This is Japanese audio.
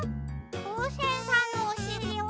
ふうせんさんのおしりは。